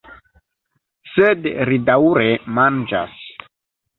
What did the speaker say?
Sed ri daŭre manĝas.